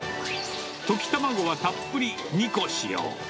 溶き卵はたっぷり２個使用。